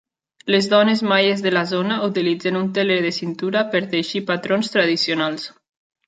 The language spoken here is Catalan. Les dones maies de la zona utilitzen un teler de cintura per teixir patrons tradicionals.